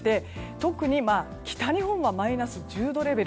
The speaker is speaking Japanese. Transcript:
特に北日本はマイナス１０度レベル